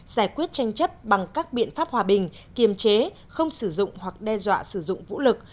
giải quyết tranh chấp bằng các biện pháp hòa bình kiềm chế không sử dụng hoặc đe dọa sử dụng vũ lực